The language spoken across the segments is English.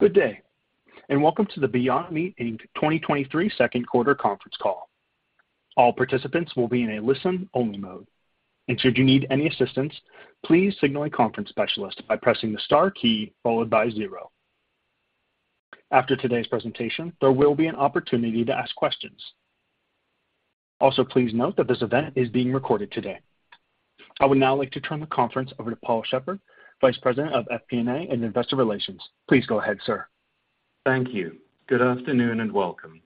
Good day, welcome to the Beyond Meat, Inc. 2023 second quarter conference call. All participants will be in a listen-only mode, should you need any assistance, please signal a conference specialist by pressing the star key followed by zero. After today's presentation, there will be an opportunity to ask questions. Also, please note that this event is being recorded today. I would now like to turn the conference over to Paul Sheppard, Vice President of FP&A and Investor Relations. Please go ahead, sir. Thank you. Good afternoon, and welcome.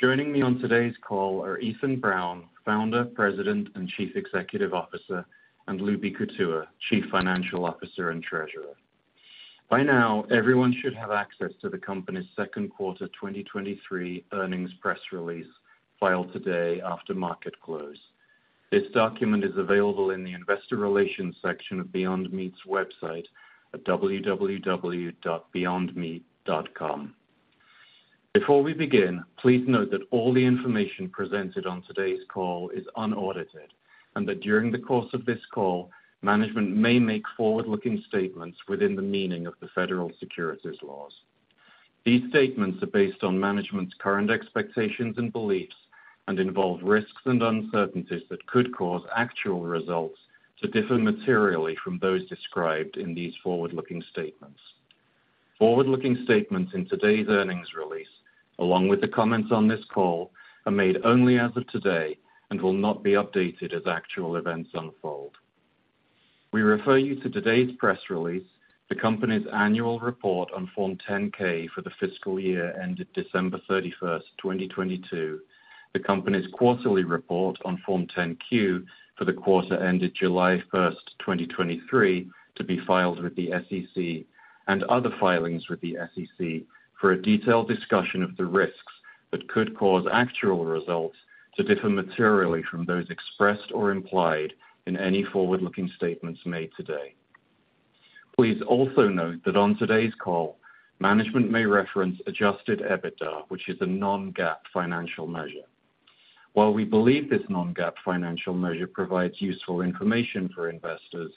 Joining me on today's call are Ethan Brown, Founder, President, and Chief Executive Officer, and Lubi Kou, Chief Financial Officer and Treasurer. By now, everyone should have access to the company's second quarter 2023 earnings press release filed today after market close. This document is available in the Investor Relations section of Beyond Meat's website at www.beyondmeat.com. Before we begin, please note that all the information presented on today's call is unaudited and that during the course of this call, management may make forward-looking statements within the meaning of the federal securities laws. These statements are based on management's current expectations and beliefs and involve risks and uncertainties that could cause actual results to differ materially from those described in these forward-looking statements. Forward-looking statements in today's earnings release, along with the comments on this call, are made only as of today and will not be updated as actual events unfold. We refer you to today's press release, the company's annual report on Form 10-K for the fiscal year ended December 31st, 2022, the company's quarterly report on Form 10-Q for the quarter ended July 1st, 2023, to be filed with the SEC and other filings with the SEC for a detailed discussion of the risks that could cause actual results to differ materially from those expressed or implied in any forward-looking statements made today. Please also note that on today's call, management may reference Adjusted EBITDA, which is a non-GAAP financial measure. While we believe this non-GAAP financial measure provides useful information for investors,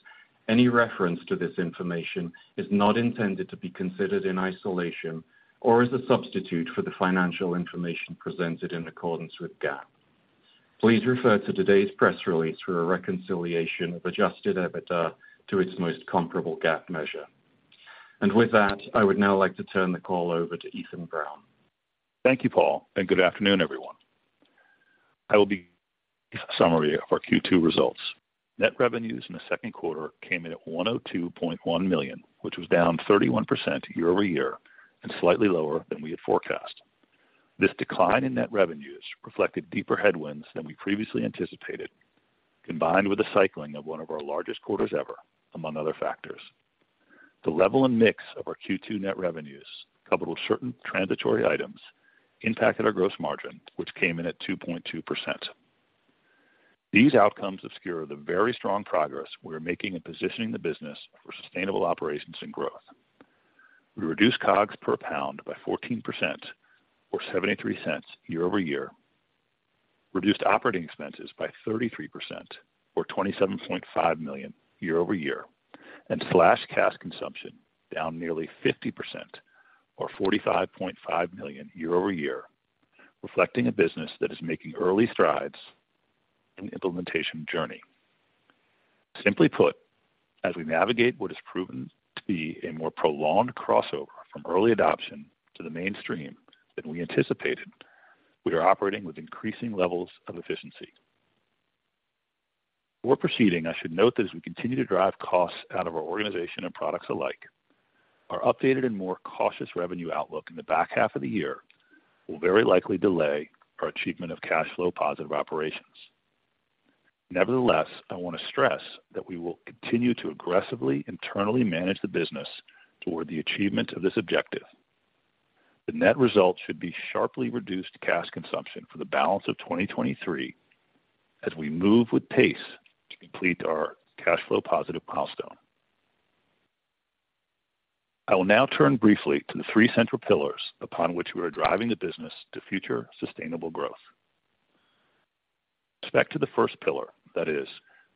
any reference to this information is not intended to be considered in isolation or as a substitute for the financial information presented in accordance with GAAP. Please refer to today's press release for a reconciliation of Adjusted EBITDA to its most comparable GAAP measure. With that, I would now like to turn the call over to Ethan Brown. Thank you, Paul. Good afternoon, everyone. I will be summary of our Q2 results. Net revenues in the second quarter came in at $102.1 million, which was down 31% year-over-year and slightly lower than we had forecast. This decline in net revenues reflected deeper headwinds than we previously anticipated, combined with the cycling of one of our largest quarters ever, among other factors. The level and mix of our Q2 net revenues, coupled with certain transitory items, impacted our gross margin, which came in at 2.2%. These outcomes obscure the very strong progress we are making in positioning the business for sustainable operations and growth. We reduced COGS per pound by 14% or $0.73 year-over-year, reduced operating expenses by 33% or $27.5 million year-over-year, and slashed cash consumption down nearly 50% or $45.5 million year-over-year, reflecting a business that is making early strides in the implementation journey. Simply put, as we navigate what has proven to be a more prolonged crossover from early adoption to the mainstream than we anticipated, we are operating with increasing levels of efficiency. Before proceeding, I should note that as we continue to drive costs out of our organization and products alike, our updated and more cautious revenue outlook in the back half of the year will very likely delay our achievement of cash flow positive operations. Nevertheless, I want to stress that we will continue to aggressively, internally manage the business toward the achievement of this objective. The net result should be sharply reduced cash consumption for the balance of 2023 as we move with pace to complete our cash flow positive milestone. I will now turn briefly to the three central pillars upon which we are driving the business to future sustainable growth. Back to the first pillar, that is,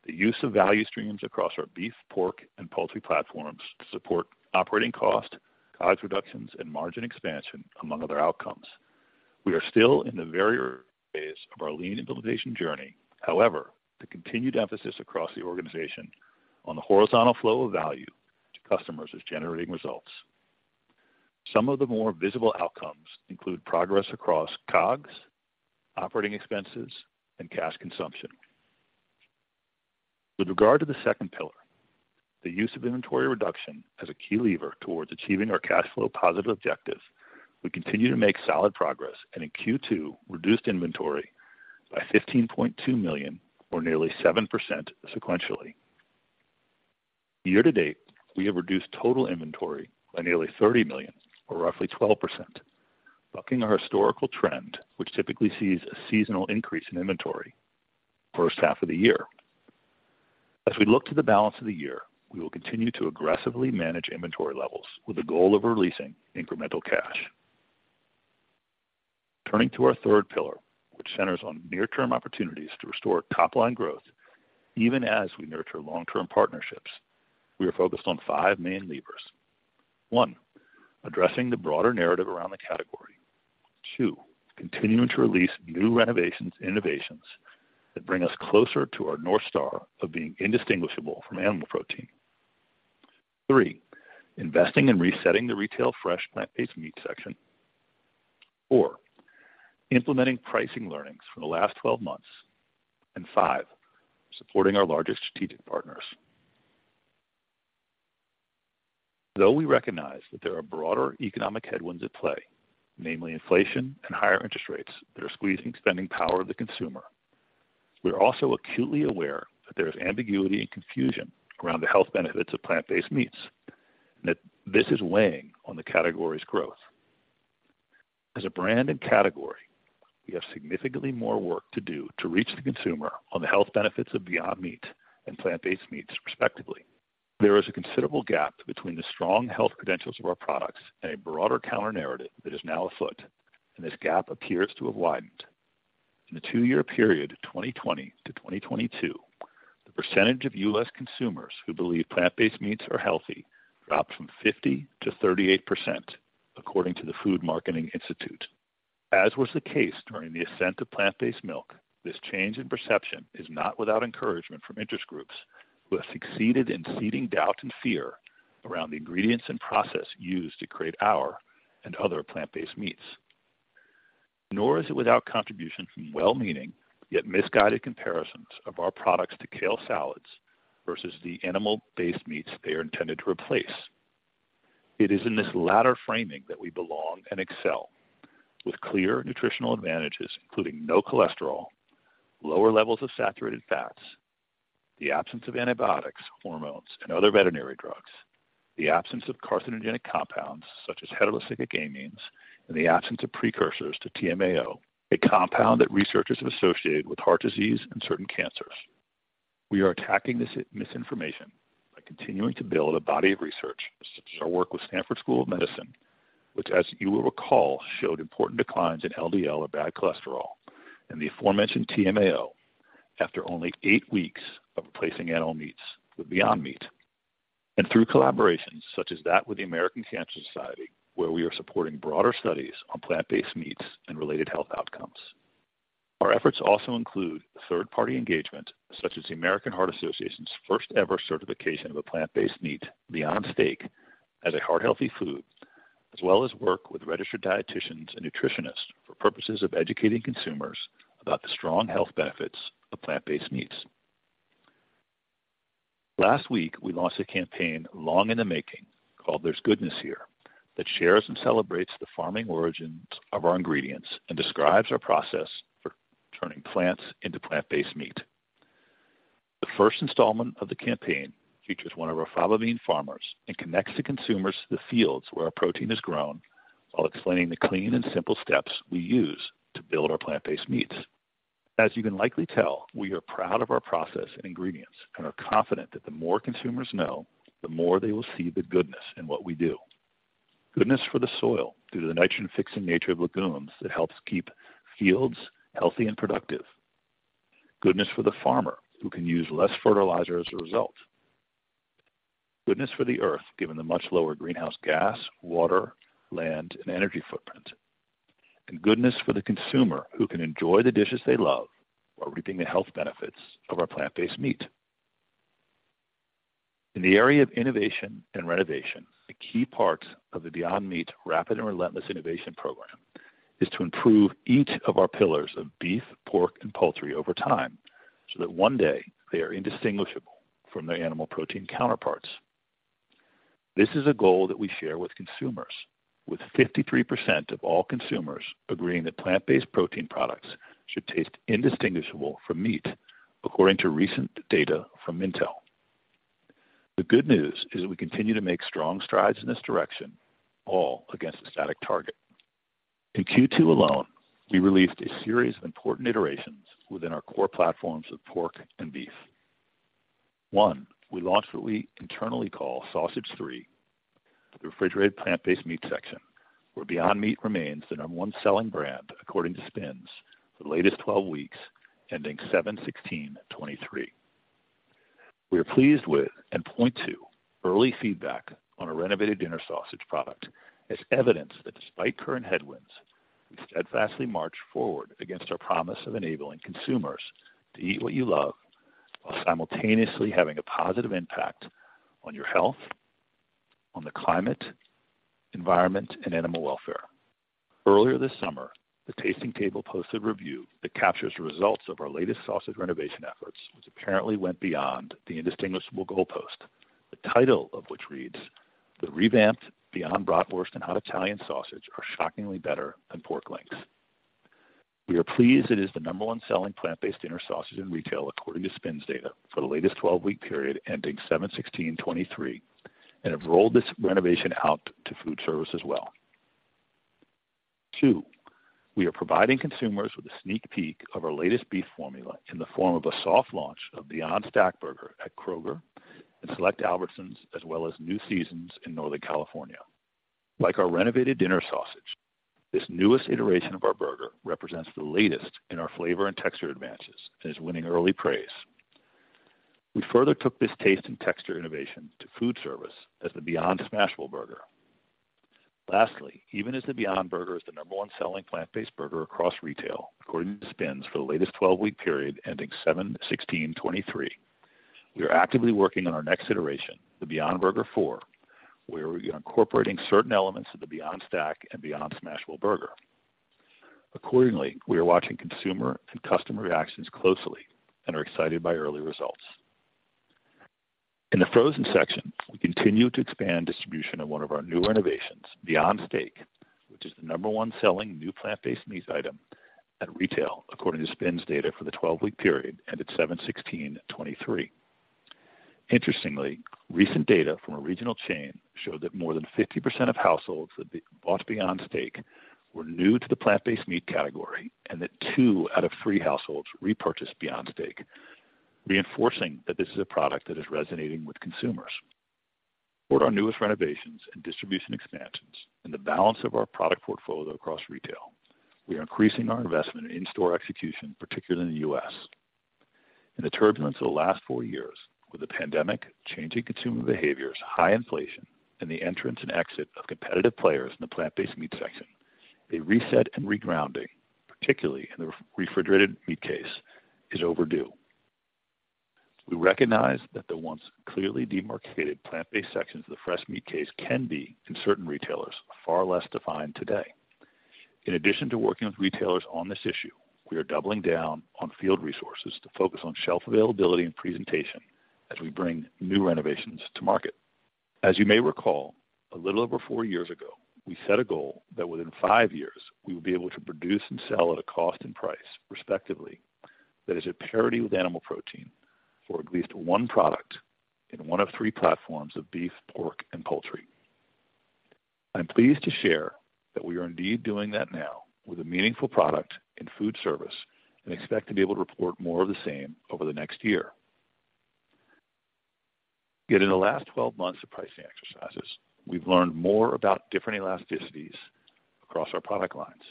the use of value streams across our beef, pork, and poultry platforms to support operating cost, COGS reductions, and margin expansion, among other outcomes. We are still in the very early phase of our lean implementation journey. However, the continued emphasis across the organization on the horizontal flow of value to customers is generating results. Some of the more visible outcomes include progress across COGS, operating expenses, and cash consumption. With regard to the second pillar, the use of inventory reduction as a key lever towards achieving our cash flow positive objective, we continue to make solid progress, and in Q2, reduced inventory by $15.2 million, or nearly 7% sequentially. Year to date, we have reduced total inventory by nearly $30 million, or roughly 12%, bucking our historical trend, which typically sees a seasonal increase in inventory 1st half of the year. As we look to the balance of the year, we will continue to aggressively manage inventory levels with the goal of releasing incremental cash. Turning to our third pillar, which centers on near-term opportunities to restore top-line growth. Even as we nurture long-term partnerships, we are focused on five main levers. One, addressing the broader narrative around the category. Two, continuing to release new renovations, innovations that bring us closer to our North Star of being indistinguishable from animal protein. Three, investing in resetting the retail fresh plant-based meat section. Four, implementing pricing learnings from the last 12 months. Five, supporting our largest strategic partners. We recognize that there are broader economic headwinds at play, namely inflation and higher interest rates that are squeezing spending power of the consumer, we are also acutely aware that there is ambiguity and confusion around the health benefits of plant-based meats, and that this is weighing on the category's growth. As a brand and category, we have significantly more work to do to reach the consumer on the health benefits of Beyond Meat and plant-based meats, respectively. There is a considerable gap between the strong health credentials of our products and a broader counter-narrative that is now afoot, and this gap appears to have widened. In the two-year period, 2020 to 2022, the percentage of U.S. consumers who believe plant-based meats are healthy dropped from 50%-38%, according to the Food Marketing Institute. As was the case during the ascent of plant-based milk, this change in perception is not without encouragement from interest groups who have succeeded in seeding doubt and fear around the ingredients and process used to create our and other plant-based meats. Nor is it without contribution from well-meaning, yet misguided comparisons of our products to kale salads versus the animal-based meats they are intended to replace. It is in this latter framing that we belong and excel, with clear nutritional advantages, including no cholesterol, lower levels of saturated fats, the absence of antibiotics, hormones, and other veterinary drugs, the absence of carcinogenic compounds such as heterocyclic amines, and the absence of precursors to TMAO, a compound that researchers have associated with heart disease and certain cancers. We are attacking this misinformation by continuing to build a body of research, such as our work with Stanford School of Medicine, which, as you will recall, showed important declines in LDL or bad cholesterol and the aforementioned TMAO after only eight weeks of replacing animal meats with Beyond Meat. Through collaborations such as that with the American Cancer Society, where we are supporting broader studies on plant-based meats and related health outcomes. Our efforts also include third-party engagement, such as the American Heart Association's first-ever certification of a plant-based meat, Beyond Steak, as a heart-healthy food, as well as work with registered dietitians and nutritionists for purposes of educating consumers about the strong health benefits of plant-based meats. Last week, we launched a campaign long in the making called There's Goodness Here, that shares and celebrates the farming origins of our ingredients and describes our process for turning plants into plant-based meat. The first installment of the campaign features one of our fava bean farmers and connects the consumers to the fields where our protein is grown, while explaining the clean and simple steps we use to build our plant-based meats. As you can likely tell, we are proud of our process and ingredients and are confident that the more consumers know, the more they will see the goodness in what we do. Goodness for the soil due to the nitrogen-fixing nature of legumes that helps keep fields healthy and productive. Goodness for the farmer, who can use less fertilizer as a result. Goodness for the Earth, given the much lower greenhouse gas, water, land, and energy footprint. Goodness for the consumer, who can enjoy the dishes they love while reaping the health benefits of our plant-based meat. In the area of innovation and renovation, the key parts of the Beyond Meat Rapid and Relentless Innovation program is to improve each of our pillars of beef, pork, and poultry over time, so that one day they are indistinguishable from their animal protein counterparts. This is a goal that we share with consumers, with 53% of all consumers agreeing that plant-based protein products should taste indistinguishable from meat, according to recent data from Mintel. The good news is we continue to make strong strides in this direction, all against a static target. In Q2 alone, we released a series of important iterations within our core platforms of pork and beef. One, we launched what we internally call Sausage Three, the refrigerated plant-based meat section, where Beyond Meat remains the number one selling brand, according to SPINS, the latest 12 weeks, ending 7/16/2023. We are pleased with and point to early feedback on our renovated dinner sausage product as evidence that despite current headwinds, we steadfastly march forward against our promise of enabling consumers to eat what you love while simultaneously having a positive impact on your health, on the climate, environment, and animal welfare. Earlier this summer, the Tasting Table posted a review that captures the results of our latest sausage renovation efforts, which apparently went beyond the indistinguishable goalpost, the title of which reads: The Revamped Beyond Bratwurst and Hot Italian Sausage are shockingly better than pork links. We are pleased it is the number 1 selling plant-based dinner sausage in retail, according to SPINS data, for the latest 12-week period ending 07/16/2023, and have rolled this renovation out to food service as well. Two, we are providing consumers with a sneak peek of our latest beef formula in the form of a soft launch of Beyond Stack Burger at Kroger and select Albertsons, as well as New Seasons in Northern California. Like our renovated dinner sausage, this newest iteration of our burger represents the latest in our flavor and texture advances and is winning early praise. We further took this taste and texture innovation to foodservice as the Beyond Smashable Burger. Lastly, even as the Beyond Burger is the number one selling plant-based burger across retail, according to SPINS for the latest 12-week period ending 7/16/2023, we are actively working on our next iteration, the Beyond Burger Four, where we are incorporating certain elements of the Beyond Stack and Beyond Smashable Burger. Accordingly, we are watching consumer and customer reactions closely and are excited by early results. In the frozen section, we continue to expand distribution of one of our newer innovations, Beyond Steak, which is the number one selling new plant-based meat item at retail, according to SPINS data for the 12-week period ended 07/16/2023. Interestingly, recent data from a regional chain showed that more than 50% of households that bought Beyond Steak were new to the plant-based meat category, and that two out of three households repurchased Beyond Steak, reinforcing that this is a product that is resonating with consumers. For our newest renovations and distribution expansions and the balance of our product portfolio across retail, we are increasing our investment in in-store execution, particularly in the US. In the turbulence of the last four years, with the pandemic, changing consumer behaviors, high inflation, and the entrance and exit of competitive players in the plant-based meat section, a reset and regrounding, particularly in the refrigerated meat case, is overdue. We recognize that the once clearly demarcated plant-based sections of the fresh meat case can be, in certain retailers, far less defined today. In addition to working with retailers on this issue, we are doubling down on field resources to focus on shelf availability and presentation as we bring new renovations to market. As you may recall, a little over four years ago, we set a goal that within five years, we would be able to produce and sell at a cost and price, respectively, that is at parity with animal protein for at least one product in one of three platforms of beef, pork, and poultry. I'm pleased to share that we are indeed doing that now with a meaningful product in food service, and expect to be able to report more of the same over the next year. Yet in the last 12 months of pricing exercises, we've learned more about different elasticities across our product lines.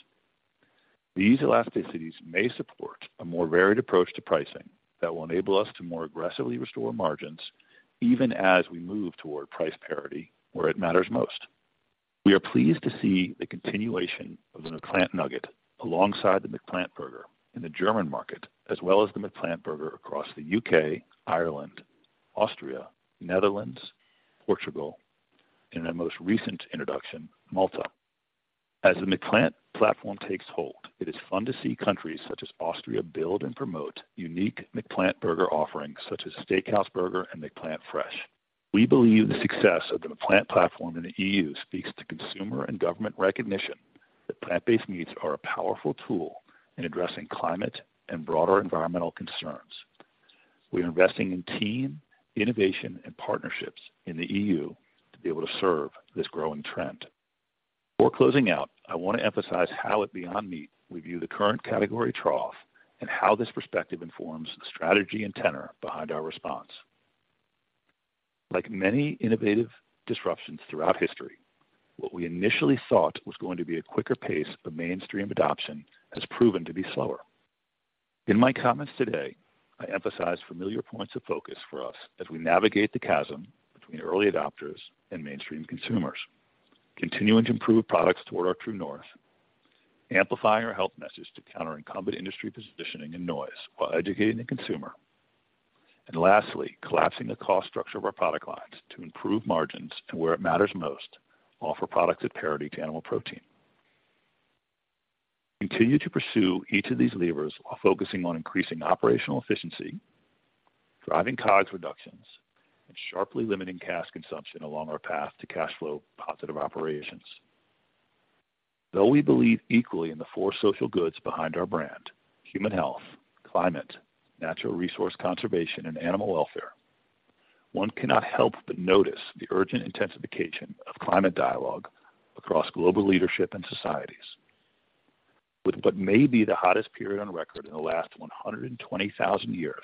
These elasticities may support a more varied approach to pricing that will enable us to more aggressively restore margins, even as we move toward price parity where it matters most. We are pleased to see the continuation of the McPlant nugget alongside the McPlant burger in the German market, as well as the McPlant burger across the UK, Ireland, Austria, Netherlands, Portugal, and our most recent introduction, Malta. As the McPlant platform takes hold, it is fun to see countries such as Austria build and promote unique McPlant burger offerings such as Steakhouse Burger and McPlant Fresh. We believe the success of the McPlant platform in the EU speaks to consumer and government recognition that plant-based meats are a powerful tool in addressing climate and broader environmental concerns. We are investing in team, innovation, and partnerships in the EU to be able to serve this growing trend. Before closing out, I want to emphasize how at Beyond Meat we view the current category trough and how this perspective informs the strategy and tenor behind our response. Like many innovative disruptions throughout history, what we initially thought was going to be a quicker pace of mainstream adoption has proven to be slower. In my comments today, I emphasized familiar points of focus for us as we navigate the chasm between early adopters and mainstream consumers, continuing to improve products toward our true north, amplifying our health message to counter incumbent industry positioning and noise while educating the consumer, and lastly, collapsing the cost structure of our product lines to improve margins and, where it matters most, offer products at parity to animal protein. We continue to pursue each of these levers while focusing on increasing operational efficiency, driving COGS reductions, and sharply limiting cash consumption along our path to cash flow-positive operations. Though we believe equally in the four social goods behind our brand: human health, climate, natural resource conservation, and animal welfare, one cannot help but notice the urgent intensification of climate dialogue across global leadership and societies. With what may be the hottest period on record in the last 120,000 years,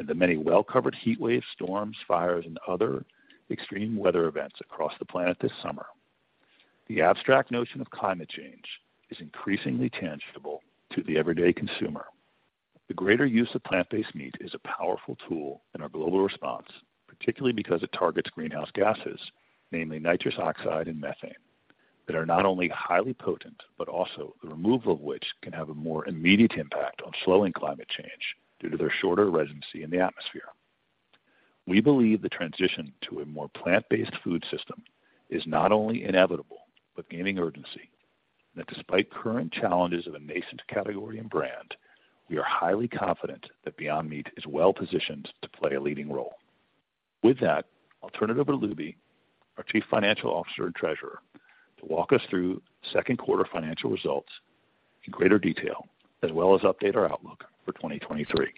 and the many well-covered heatwaves, storms, fires, and other extreme weather events across the planet this summer, the abstract notion of climate change is increasingly tangible to the everyday consumer. The greater use of plant-based meat is a powerful tool in our global response, particularly because it targets greenhouse gases, namely nitrous oxide and methane, that are not only highly potent, but also the removal of which can have a more immediate impact on slowing climate change due to their shorter residency in the atmosphere. We believe the transition to a more plant-based food system is not only inevitable, but gaining urgency, and that despite current challenges of a nascent category and brand, we are highly confident that Beyond Meat is well positioned to play a leading role. With that, I'll turn it over to Lubi Kou, our chief financial officer and treasurer, to walk us through second quarter financial results in greater detail, as well as update our outlook for 2023.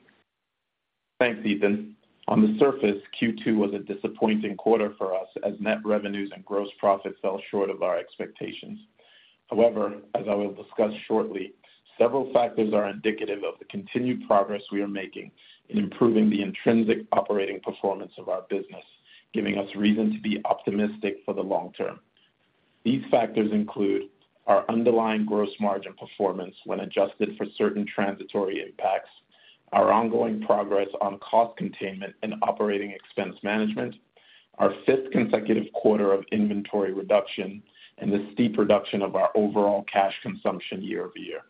Thanks, Ethan. On the surface, Q2 was a disappointing quarter for us as net revenues and gross profits fell short of our expectations. As I will discuss shortly, several factors are indicative of the continued progress we are making in improving the intrinsic operating performance of our business, giving us reason to be optimistic for the long term. These factors include our underlying gross margin performance when adjusted for certain transitory impacts, our ongoing progress on cost containment and operating expense management, our fifth consecutive quarter of inventory reduction, and the steep reduction of our overall cash consumption year-over-year.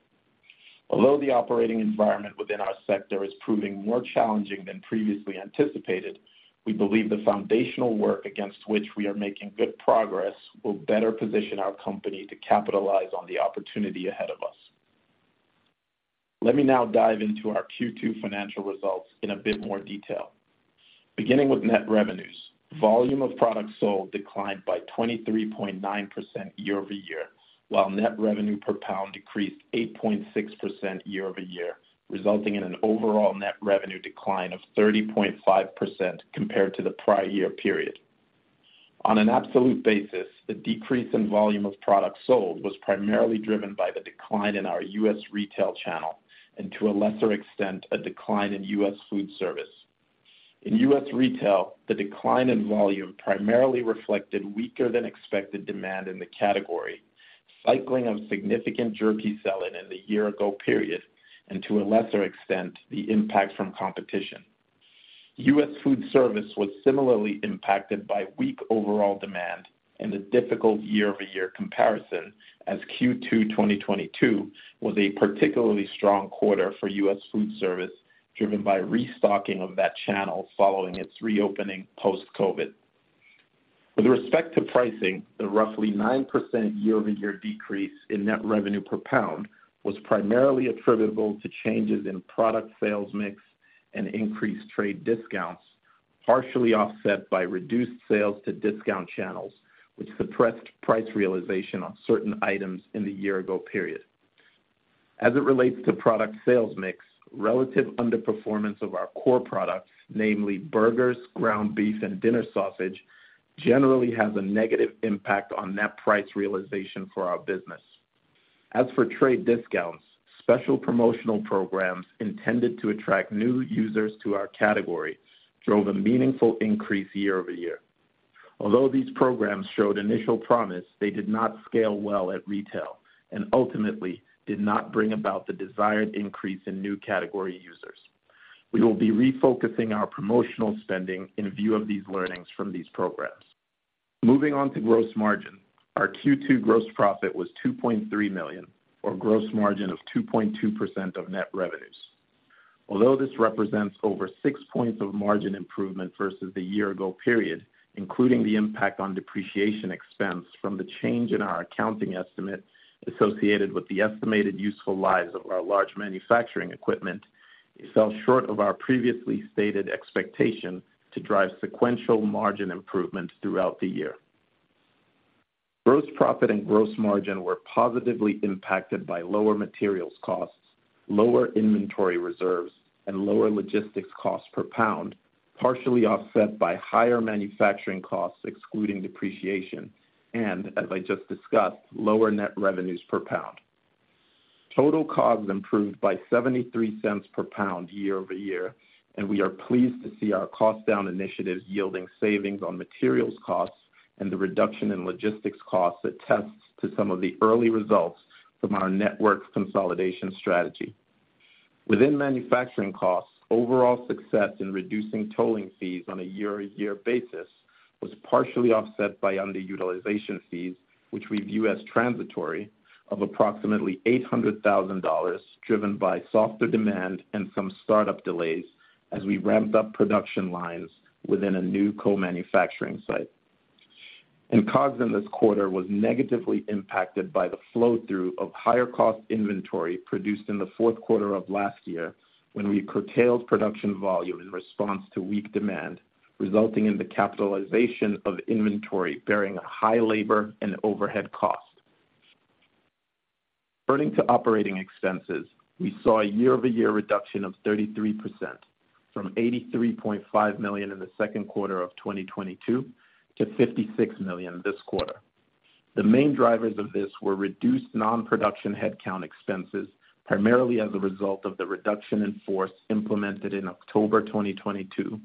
The operating environment within our sector is proving more challenging than previously anticipated, we believe the foundational work against which we are making good progress will better position our company to capitalize on the opportunity ahead of us. Let me now dive into our Q2 financial results in a bit more detail. Beginning with net revenues, volume of products sold declined by 23.9% year-over-year, while net revenue per pound decreased 8.6% year-over-year, resulting in an overall net revenue decline of 30.5% compared to the prior year period. On an absolute basis, the decrease in volume of products sold was primarily driven by the decline in our U.S. retail channel and, to a lesser extent, a decline in U.S. food service. In U.S. retail, the decline in volume primarily reflected weaker than expected demand in the category, cycling of significant jerky sell-in in the year ago period, and to a lesser extent, the impact from competition. US food service was similarly impacted by weak overall demand and a difficult year-over-year comparison, as Q2 2022 was a particularly strong quarter for US food service, driven by restocking of that channel following its reopening post-COVID. With respect to pricing, the roughly 9% year-over-year decrease in net revenue per pound was primarily attributable to changes in product sales mix and increased trade discounts, partially offset by reduced sales to discount channels, which suppressed price realization on certain items in the year ago period. As it relates to product sales mix, relative underperformance of our core products, namely burgers, ground beef, and dinner sausage, generally has a negative impact on net price realization for our business. As for trade discounts, special promotional programs intended to attract new users to our category drove a meaningful increase year-over-year. Although these programs showed initial promise, they did not scale well at retail and ultimately did not bring about the desired increase in new category users. We will be refocusing our promotional spending in view of these learnings from these programs. Moving on to gross margin. Our Q2 gross profit was $2.3 million, or gross margin of 2.2% of net revenues. Although this represents over six points of margin improvement versus the year-ago period, including the impact on depreciation expense from the change in our accounting estimate associated with the estimated useful lives of our large manufacturing equipment, it fell short of our previously stated expectation to drive sequential margin improvements throughout the year. Gross profit and gross margin were positively impacted by lower materials costs, lower inventory reserves, and lower logistics costs per pound, partially offset by higher manufacturing costs, excluding depreciation, and, as I just discussed, lower net revenue per pound. Total COGS improved by $0.73 per pound year-over-year, and we are pleased to see our cost down initiatives yielding savings on materials costs and the reduction in logistics costs that attest to some of the early results from our network consolidation strategy. Within manufacturing costs, overall success in reducing tolling fees on a year-over-year basis was partially offset by underutilization fees, which we view as transitory, of approximately $800,000, driven by softer demand and some startup delays as we ramped up production lines within a new co-manufacturing site. COGS in this quarter was negatively impacted by the flow-through of higher cost inventory produced in the fourth quarter of last year, when we curtailed production volume in response to weak demand, resulting in the capitalization of inventory bearing a high labor and overhead cost. Turning to operating expenses, we saw a year-over-year reduction of 33%, from $83.5 million in the second quarter of 2022 to $56 million this quarter. The main drivers of this were reduced non-production headcount expenses, primarily as a result of the reduction in force implemented in October 2022,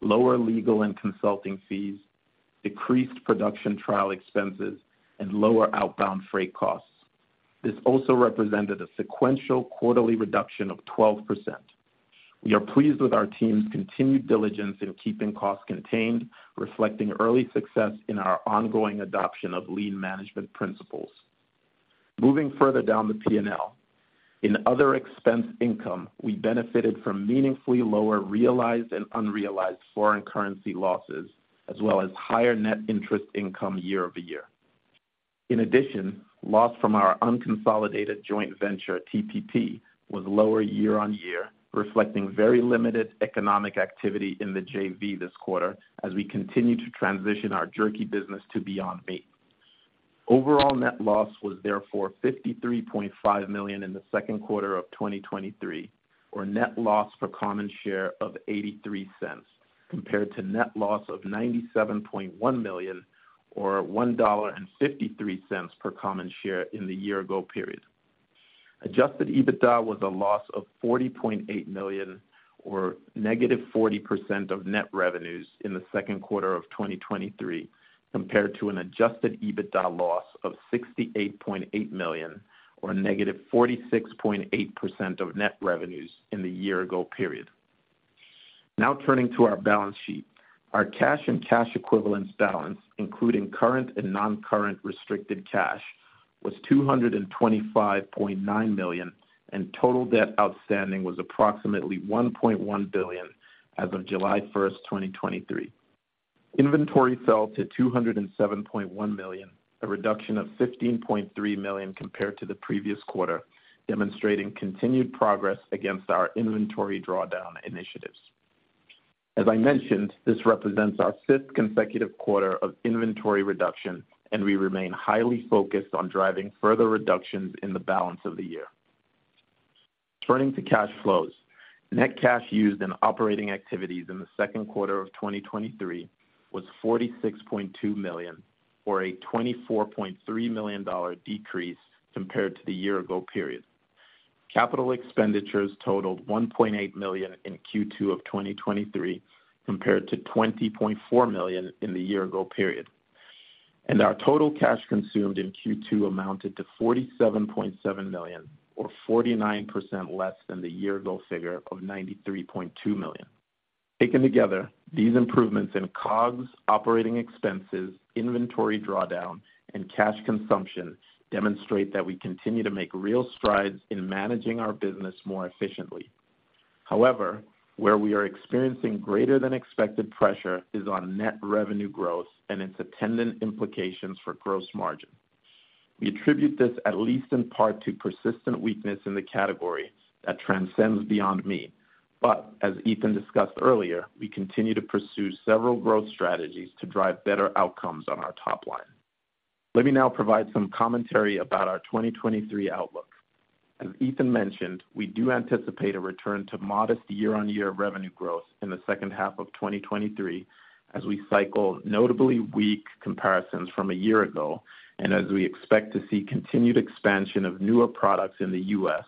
lower legal and consulting fees, decreased production trial expenses, and lower outbound freight costs. This also represented a sequential quarterly reduction of 12%. We are pleased with our team's continued diligence in keeping costs contained, reflecting early success in our ongoing adoption of lean management principles. Moving further down the P&L. In other expense income, we benefited from meaningfully lower realized and unrealized foreign currency losses, as well as higher net interest income year-over-year. In addition, loss from our unconsolidated joint venture, TPP, was lower year-on-year, reflecting very limited economic activity in the JV this quarter as we continue to transition our jerky business to Beyond Meat. Overall net loss was therefore $53.5 million in the second quarter of 2023, or net loss per common share of $0.83, compared to net loss of $97.1 million, or $1.53 per common share in the year-ago period. Adjusted EBITDA was a loss of $40.8 million, or negative 40% of net revenues in the second quarter of 2023, compared to an Adjusted EBITDA loss of $68.8 million, or negative 46.8% of net revenues in the year-ago period. Turning to our balance sheet. Our cash and cash equivalents balance, including current and non-current restricted cash, was $225.9 million, and total debt outstanding was approximately $1.1 billion as of July 1st, 2023. Inventory fell to $207.1 million, a reduction of $15.3 million compared to the previous quarter, demonstrating continued progress against our inventory drawdown initiatives. As I mentioned, this represents our 5th consecutive quarter of inventory reduction, and we remain highly focused on driving further reductions in the balance of the year. Turning to cash flows. Net cash used in operating activities in the 2Q of 2023 was $46.2 million, or a $24.3 million decrease compared to the year ago period. Capital expenditures totaled $1.8 million in Q2 of 2023, compared to $20.4 million in the year ago period. Our total cash consumed in Q2 amounted to $47.7 million, or 49% less than the year ago figure of $93.2 million. Taken together, these improvements in COGS, operating expenses, inventory drawdown, and cash consumption demonstrate that we continue to make real strides in managing our business more efficiently. However, where we are experiencing greater than expected pressure is on net revenue growth and its attendant implications for gross margin. We attribute this, at least in part, to persistent weakness in the category that transcends Beyond Meat. As Ethan discussed earlier, we continue to pursue several growth strategies to drive better outcomes on our top line. Let me now provide some commentary about our 2023 outlook. As Ethan mentioned, we do anticipate a return to modest year-on-year revenue growth in the second half of 2023, as we cycle notably weak comparisons from a year ago, and as we expect to see continued expansion of newer products in the US,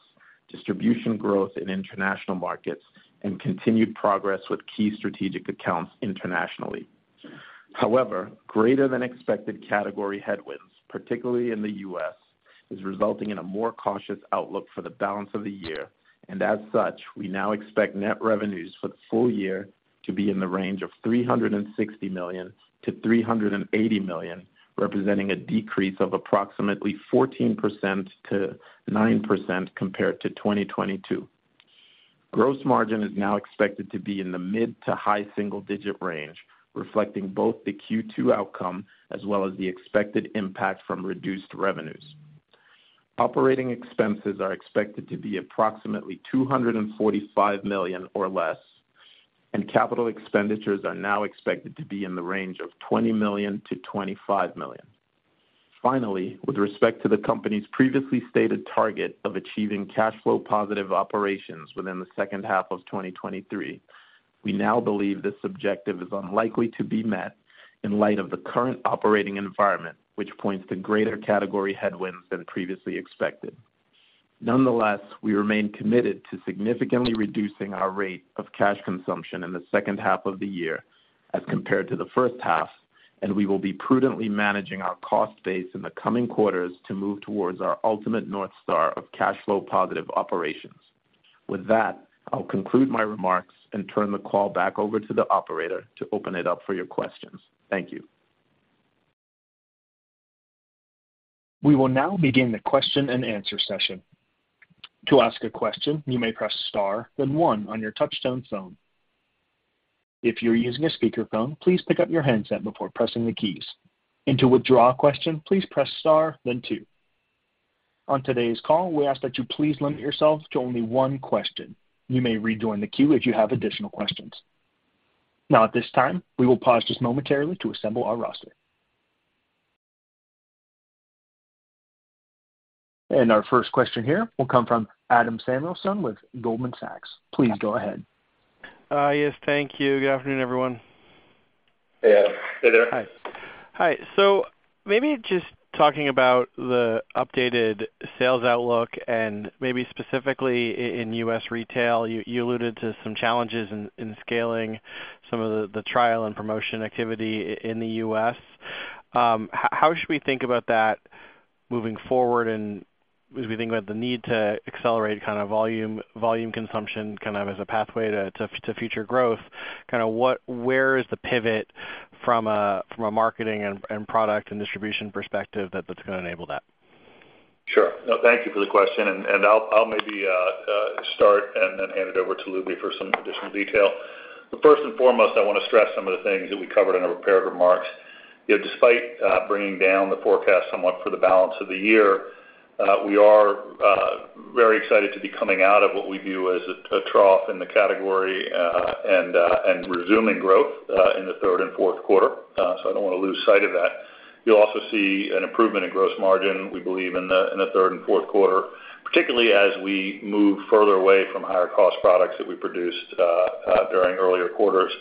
distribution growth in international markets, and continued progress with key strategic accounts internationally. However, greater than expected category headwinds, particularly in the US, is resulting in a more cautious outlook for the balance of the year, and as such, we now expect net revenues for the full year to be in the range of $360 million-$380 million, representing a decrease of approximately 14%-9% compared to 2022. Gross margin is now expected to be in the mid to high single digit range, reflecting both the Q2 outcome as well as the expected impact from reduced revenues. OpEx are expected to be approximately $245 million or less, and CapEx are now expected to be in the range of $20 million-$25 million. Finally, with respect to the company's previously stated target of achieving cash flow positive operations within the second half of 2023, we now believe this objective is unlikely to be met in light of the current operating environment, which points to greater category headwinds than previously expected. Nonetheless, we remain committed to significantly reducing our rate of cash consumption in the second half of the year as compared to the first half, and we will be prudently managing our cost base in the coming quarters to move towards our ultimate North Star of cash flow positive operations. With that, I'll conclude my remarks and turn the call back over to the operator to open it up for your questions. Thank you. We will now begin the question and answer session. To ask a question, you may press Star, then 1 on your touchtone phone. If you're using a speakerphone, please pick up your handset before pressing the keys. To withdraw a question, please press Star, then two. On today's call, we ask that you please limit yourselves to only one question. You may rejoin the queue if you have additional questions. Now, at this time, we will pause just momentarily to assemble our roster. Our first question here will come from Adam Samuelson with Goldman Sachs. Please go ahead. Yes, thank you. Good afternoon, everyone. Hey, Adam. Hey there. Hi. Hi. Maybe just talking about the updated sales outlook and maybe specifically in US retail, you alluded to some challenges in scaling some of the trial and promotion activity in the US. How should we think about that moving forward? As we think about the need to accelerate kind of volume consumption, kind of as a pathway to future growth, where is the pivot from a marketing and product and distribution perspective that's gonna enable that? Sure. No, thank you for the question, and I'll maybe start and then hand it over to Lubi for some additional detail. First and foremost, I wanna stress some of the things that we covered in our prepared remarks. You know, despite bringing down the forecast somewhat for the balance of the year, we are very excited to be coming out of what we view as a trough in the category and resuming growth in the third and fourth quarter. I don't wanna lose sight of that. You'll also see an improvement in gross margin, we believe, in the third and fourth quarter, particularly as we move further away from higher cost products that we produced during earlier quarters....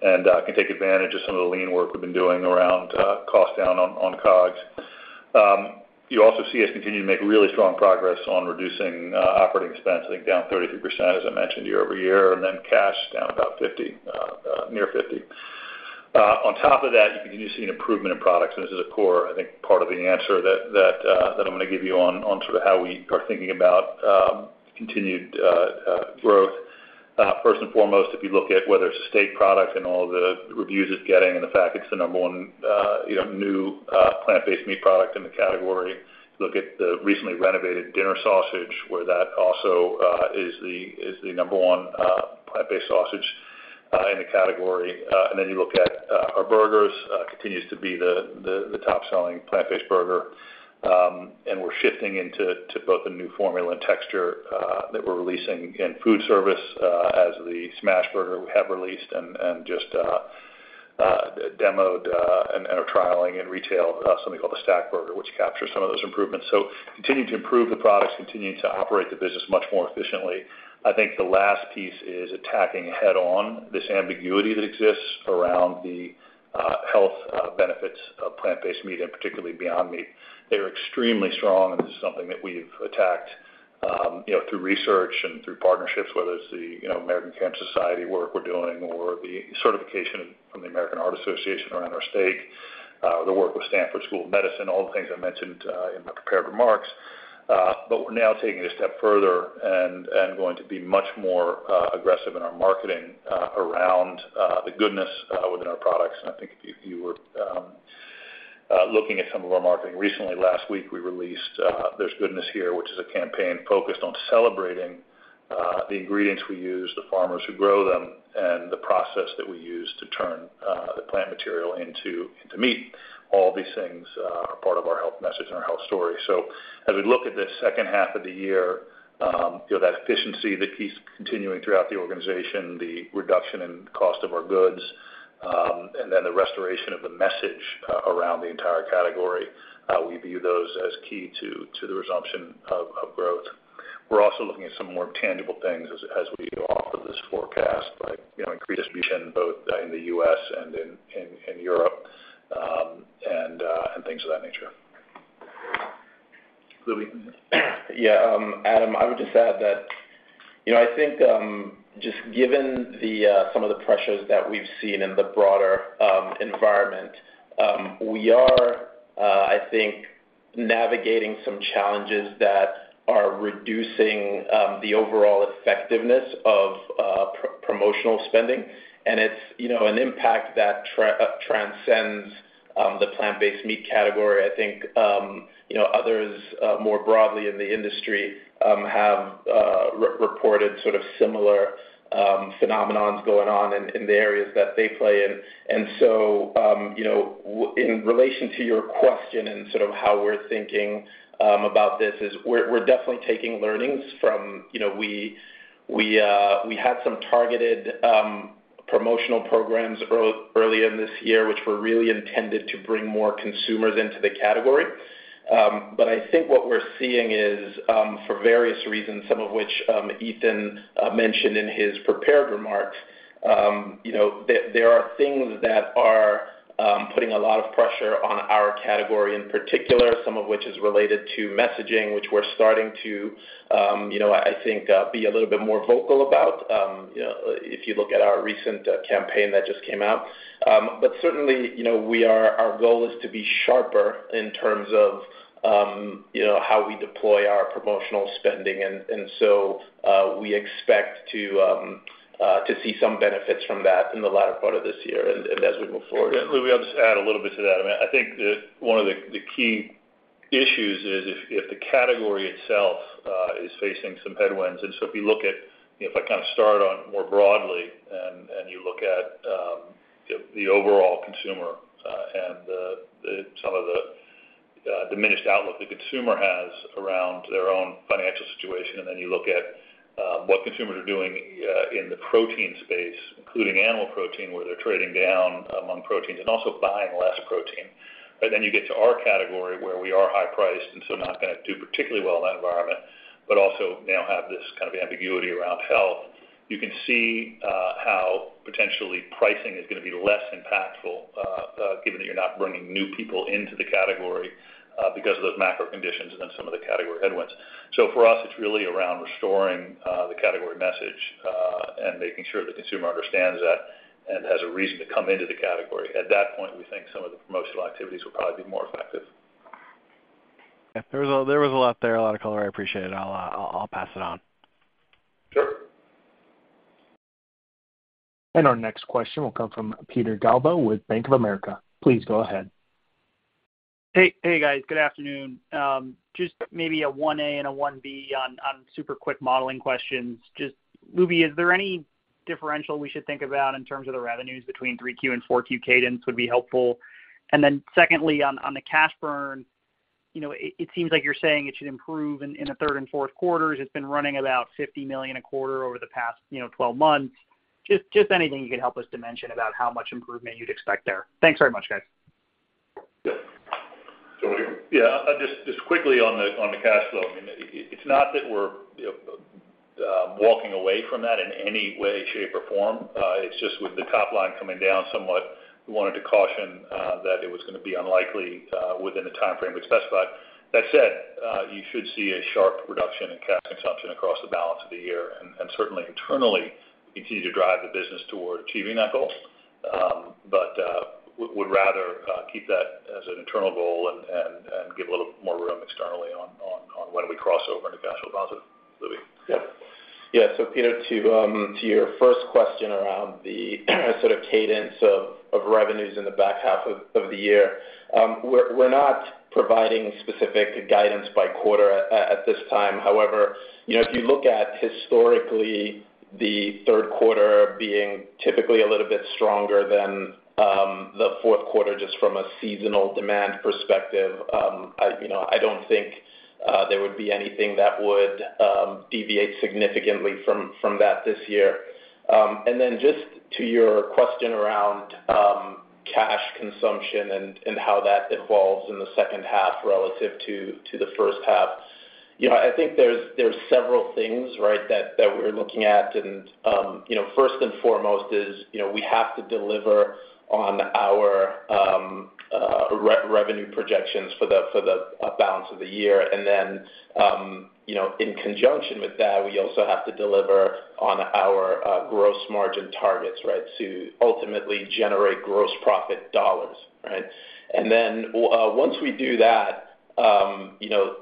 Can take advantage of some of the lean work we've been doing around cost down on COGS. You also see us continue to make really strong progress on reducing operating expense, I think, down 33%, as I mentioned, year-over-year, and then cash down about 50, near 50. On top of that, you can just see an improvement in products, this is a core, I think, part of the answer that I'm gonna give you on sort of how we are thinking about continued growth. First and foremost, if you look at whether it's a Beyond Steak product and all the reviews it's getting, and the fact it's the number one, you know, new plant-based meat product in the category, look at the recently renovated dinner sausage, where that also is the number one plant-based sausage in the category. Then you look at our Beyond Burgers, continues to be the top selling plant-based burger. And we're shifting into, to both a new formula and texture that we're releasing in food service, as the Smash Burger we have released and just demoed, and are trialing in retail, something called the Stack Burger, which captures some of those improvements. Continuing to improve the products, continuing to operate the business much more efficiently. I think the last piece is attacking head on this ambiguity that exists around the health benefits of plant-based meat, and particularly Beyond Meat. They are extremely strong, and this is something that we've attacked, you know, through research and through partnerships, whether it's the, you know, American Cancer Society work we're doing, or the certification from the American Heart Association around our steak, the work with Stanford School of Medicine, all the things I mentioned in my prepared remarks. We're now taking it a step further and, and going to be much more aggressive in our marketing around the goodness within our products. I think if you, you were looking at some of our marketing recently, last week, we released There's Goodness Here, which is a campaign focused on celebrating the ingredients we use, the farmers who grow them, and the process that we use to turn the plant material into, into meat. All these things are part of our health message and our health story. As we look at this second half of the year, you know, that efficiency that keeps continuing throughout the organization, the reduction in cost of our goods, and then the restoration of the message around the entire category, we view those as key to, to the resumption of, of growth. We're also looking at some more tangible things as we go off of this forecast, like, you know, increased distribution both in the US and in Europe, and things of that nature. Lubi? Yeah, Adam, I would just add that, you know, I think, just given the some of the pressures that we've seen in the broader environment, we are, I think, navigating some challenges that are reducing the overall effectiveness of promotional spending. It's, you know, an impact that transcends the plant-based meat category. I think, you know, others more broadly in the industry have reported sort of similar phenomenons going on in the areas that they play in. You know, in relation to your question and sort of how we're thinking about this is we're definitely taking learnings from... You know, we, we had some targeted promotional programs earlier in this year, which were really intended to bring more consumers into the category. I think what we're seeing is, for various reasons, some of which Ethan mentioned in his prepared remarks, you know, there, there are things that are putting a lot of pressure on our category, in particular, some of which is related to messaging, which we're starting to, you know, I, I think, be a little bit more vocal about. You know, if you look at our recent campaign that just came out. Certainly, you know, our goal is to be sharper in terms of, you know, how we deploy our promotional spending. We expect to see some benefits from that in the latter part of this year and, as we move forward. Lubi, I'll just add a little bit to that. I mean, I think one of the key issues is if the category itself is facing some headwinds. If you look at, you know, if I kind of start on more broadly, and you look at the overall consumer, and some of the diminished outlook the consumer has around their own financial situation, and then you look at what consumers are doing in the protein space, including animal protein, where they're trading down among proteins and also buying less protein. You get to our category, where we are high priced, and so not gonna do particularly well in that environment, but also now have this kind of ambiguity around health. You can see how potentially pricing is going to be less impactful given that you're not bringing new people into the category because of those macro conditions and then some of the category headwinds. For us, it's really around restoring the category message and making sure the consumer understands that and has a reason to come into the category. At that point, we think some of the promotional activities will probably be more effective. Yeah, there was a, there was a lot there, a lot of color. I appreciate it. I'll, I'll, I'll pass it on. Sure. Our next question will come from Peter Galbo with Bank of America. Please go ahead. Hey, hey, guys. Good afternoon. just maybe a 1A and a 1B on, on super quick modeling questions. Just, Lubi, is there any differential we should think about in terms of the revenues between 3Q and 4Q cadence would be helpful? Secondly, on, on the cash burn, you know, it, it seems like you're saying it should improve in, in the 3rd and 4th quarters. It's been running about $50 million a quarter over the past, you know, 12 months. Just, just anything you could help us dimension about how much improvement you'd expect there. Thanks very much, guys. ... Just quickly on the, on the cash flow. I mean, it, it's not that we're, you know, walking away from that in any way, shape, or form. It's just with the top line coming down somewhat, we wanted to caution that it was gonna be unlikely within the timeframe we'd specified. That said, you should see a sharp reduction in cash consumption across the balance of the year, and certainly internally, we continue to drive the business toward achieving that goal. We would rather keep that as an internal goal and give a little more room externally on when we cross over into cash flow positive. Lubie? Yeah. Yeah, Peter, to your first question around the sort of cadence of revenues in the back half of the year. We're not providing specific guidance by quarter at this time. However, you know, if you look at historically, the third quarter being typically a little bit stronger than the fourth quarter, just from a seasonal demand perspective, I, you know, I don't think there would be anything that would deviate significantly from that this year. And then just to your question around cash consumption and how that evolves in the second half relative to the first half. You know, I think there's several things, right, that we're looking at. you know, first and foremost is, you know, we have to deliver on our revenue projections for the, for the balance of the year. Then, you know, in conjunction with that, we also have to deliver on our gross margin targets, right? To ultimately generate gross profit dollars, right? Then, once we do that, you know,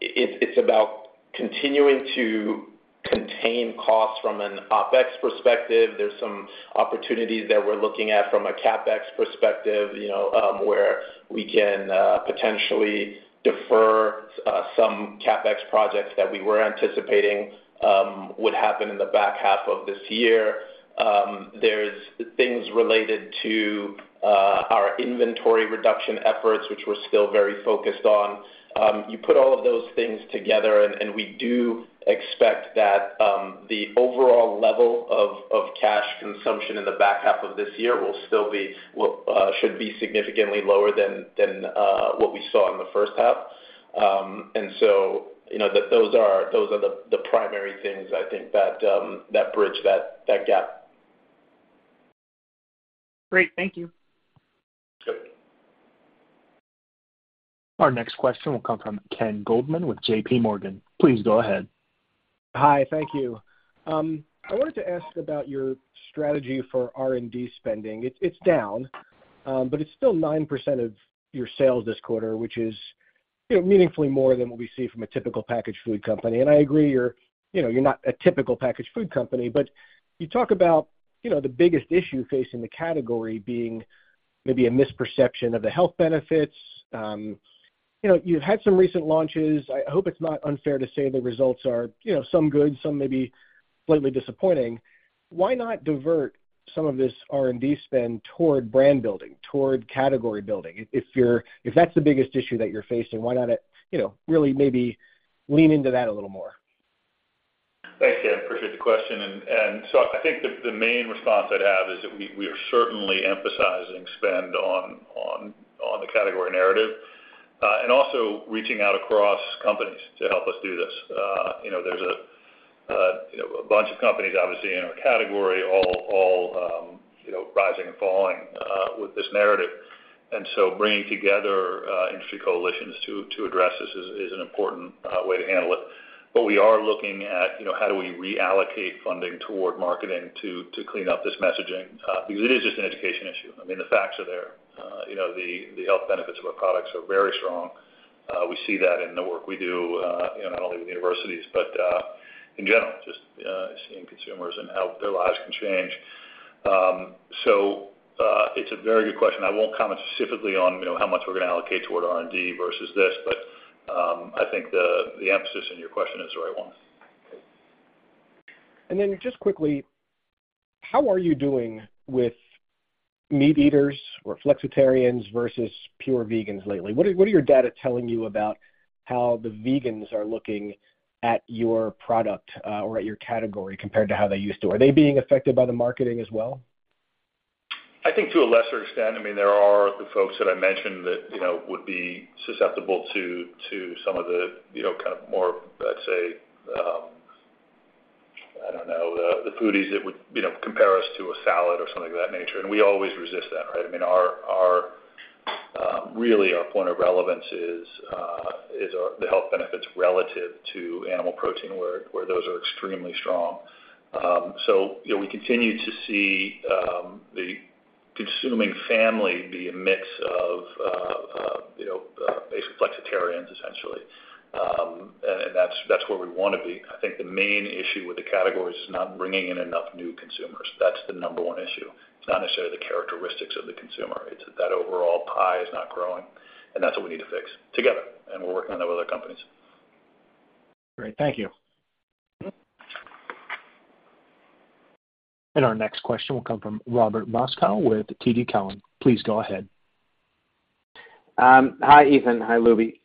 it's about continuing to contain costs from an OpEx perspective. There's some opportunities that we're looking at from a CapEx perspective, you know, where we can potentially defer some CapEx projects that we were anticipating would happen in the back half of this year. There's things related to our inventory reduction efforts, which we're still very focused on. You put all of those things together, and we do expect that, the overall level of cash consumption in the back half of this year will still be, should be significantly lower than what we saw in the first half. So, you know, that those are the primary things I think that bridge that gap. Great. Thank you. Sure. Our next question will come from Ken Goldman with JP Morgan. Please go ahead. Hi, thank you. I wanted to ask about your strategy for R&D spending. It's, it's down, but it's still 9% of your sales this quarter, which is, you know, meaningfully more than what we see from a typical packaged food company. And I agree, you're, you know, you're not a typical packaged food company, but you talk about, you know, the biggest issue facing the category being maybe a misperception of the health benefits. you know, you've had some recent launches. I hope it's not unfair to say the results are, you know, some good, some maybe slightly disappointing. Why not divert some of this R&D spend toward brand building, toward category building? If that's the biggest issue that you're facing, why not, you know, really maybe lean into that a little more? Thanks, Ken. Appreciate the question. So I think the, the main response I'd have is that we, we are certainly emphasizing spend on, on, on the category narrative, and also reaching out across companies to help us do this. You know, there's a, you know, a bunch of companies obviously in our category, all, all, you know, rising and falling, with this narrative. Bringing together industry coalitions to, to address this is, is an important way to handle it. We are looking at, you know, how do we reallocate funding toward marketing to, to clean up this messaging? Because it is just an education issue. I mean, the facts are there. You know, the, the health benefits of our products are very strong. We see that in the work we do, you know, not only with universities, but, in general, just, seeing consumers and how their lives can change. It's a very good question. I won't comment specifically on, you know, how much we're gonna allocate toward R&D versus this, but, I think the, the emphasis in your question is the right one. Just quickly, how are you doing with meat eaters or flexitarians versus pure vegans lately? What is, what are your data telling you about how the vegans are looking at your product, or at your category compared to how they used to? Are they being affected by the marketing as well? I think to a lesser extent, I mean, there are the folks that I mentioned that, you know, would be susceptible to, to some of the, you know, kind of more, let's say, I don't know, the, the foodies that would, you know, compare us to a salad or something of that nature, and we always resist that, right? I mean, our, our... really, our point of relevance is, is our, the health benefits relative to animal protein, where, where those are extremely strong. You know, we continue to see, the consuming family be a mix of, you know, basic flexitarians, essentially. And that's, that's where we wanna be. I think the main issue with the category is just not bringing in enough new consumers. That's the number one issue. It's not necessarily the characteristics of the consumer. It's that overall pie is not growing, and that's what we need to fix together, and we're working on that with other companies. Great. Thank you. Our next question will come from Robert Moskow with TD Cowen. Please go ahead. Hi, Ethan. Hi, Lubie.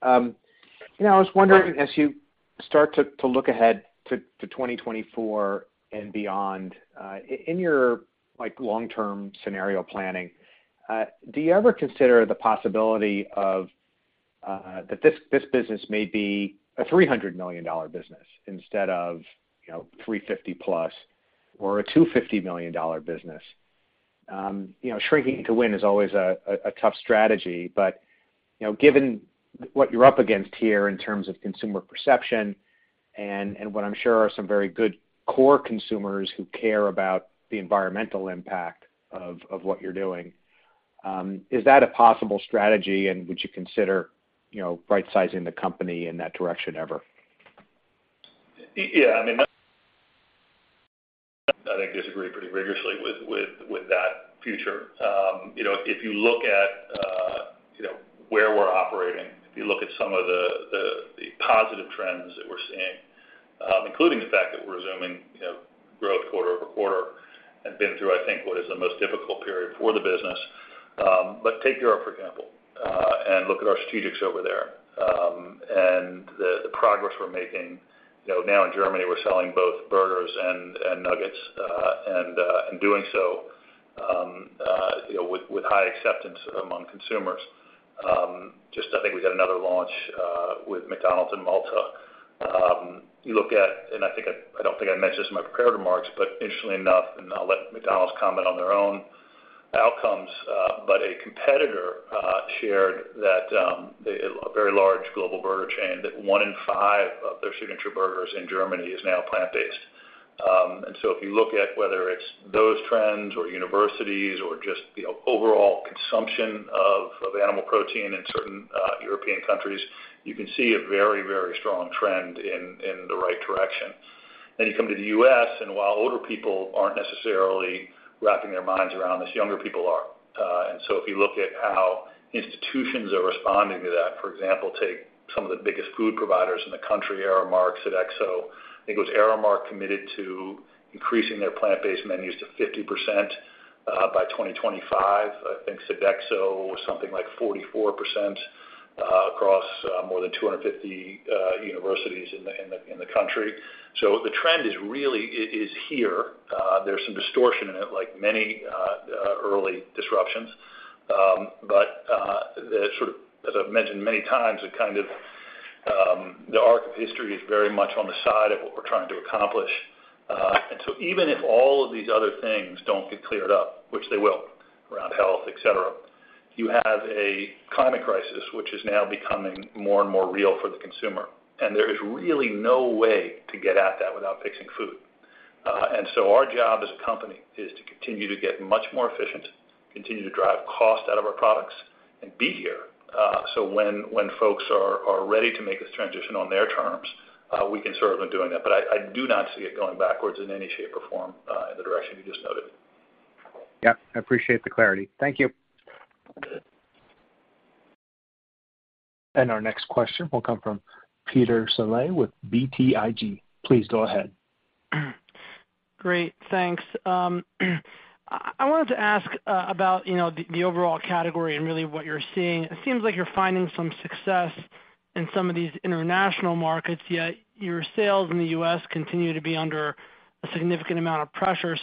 You know, I was wondering, as you start to look ahead to 2024 and beyond, in your, like, long-term scenario planning, do you ever consider the possibility that this business may be a $300 million business instead of, you know, $350+ or a $250 million business? You know, shrinking to win is always a tough strategy, but, you know, given what you're up against here in terms of consumer perception and what I'm sure are some very good core consumers who care about the environmental impact of what you're doing, is that a possible strategy, and would you consider, you know, rightsizing the company in that direction ever? Yeah, I mean, I think disagree pretty rigorously with, with, with that future. You know, if you look at, you know, where we're operating, if you look at some of the, the, the positive trends that we're seeing, including the fact that we're resuming, you know, growth quarter-over-quarter and been through, I think, what is the most difficult period for the business. Take Europe, for example, and look at our strategics over there, and the, the progress we're making. You know, now in Germany, we're selling both burgers and, and nuggets, and doing so, you know, with, with high acceptance among consumers. Just I think we got another launch with McDonald's in Malta. You look at, and I don't think I mentioned this in my prepared remarks, but interestingly enough, and I'll let McDonald's comment on their own outcomes, but a competitor, shared that, a very large global burger chain, that one in five of their signature burgers in Germany is now plant-based. So if you look at whether it's those trends or universities or just the overall consumption of animal protein in certain European countries, you can see a very, very strong trend in the right direction. You come to the U.S., and while older people aren't necessarily wrapping their minds around this, younger people are. So if you look at how institutions are responding to that, for example, take some of the biggest food providers in the country, Aramark, Sodexo. I think it was Aramark committed to increasing their plant-based menus to 50% by 2025. I think Sodexo was something like 44% across more than 250 universities in the country. The trend is really, it is here. There's some distortion in it, like many early disruptions. The sort of, as I've mentioned many times, the kind of, the arc of history is very much on the side of what we're trying to accomplish. Even if all of these other things don't get cleared up, which they will, around health, et cetera, you have a climate crisis, which is now becoming more and more real for the consumer, and there is really no way to get at that without fixing food. Our job as a company is to continue to get much more efficient, continue to drive cost out of our products and be here, so when, when folks are, are ready to make this transition on their terms, we can serve them in doing that. I, I do not see it going backwards in any shape or form, in the direction you just noted. Yeah, I appreciate the clarity. Thank you. Our next question will come from Peter Saleh with BTIG. Please go ahead. Great, thanks. I wanted to ask about, you know, the, the overall category and really what you're seeing. It seems like you're finding some success in some of these international markets, yet your sales in the US continue to be under a significant amount of pressure.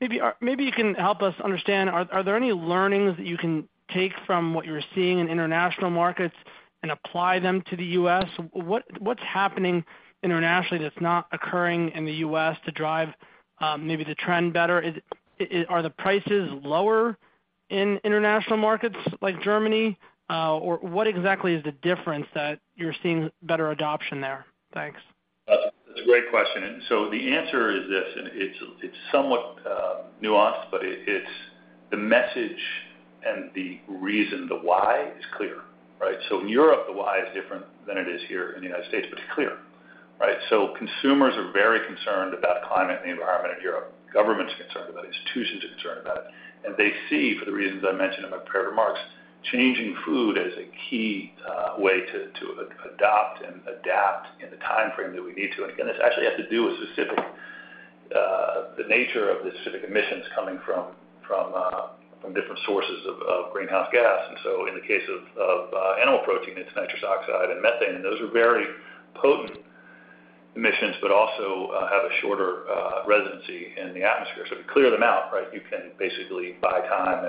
Maybe you can help us understand, are there any learnings that you can take from what you're seeing in international markets and apply them to the US? What's happening internationally that's not occurring in the US to drive maybe the trend better? Are the prices lower in international markets like Germany? What exactly is the difference that you're seeing better adoption there? Thanks. That's a great question. The answer is this, and it's, it's somewhat nuanced, but it, it's the message and the reason, the why is clear, right? In Europe, the why is different than it is here in the United States, but it's clear, right? Consumers are very concerned about climate and the environment in Europe. Governments are concerned about it, institutions are concerned about it, and they see, for the reasons I mentioned in my prepared remarks, changing food as a key way to, to adopt and adapt in the timeframe that we need to. Again, this actually has to do with specific the nature of the specific emissions coming from, from different sources of, of greenhouse gas. In the case of animal protein, it's nitrous oxide and methane, and those are very potent emissions, but also have a shorter residency in the atmosphere. If you clear them out, right, you can basically buy time